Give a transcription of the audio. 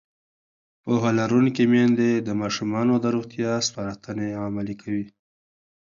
پوهه لرونکې میندې د ماشومانو د روغتیا سپارښتنې عملي کوي.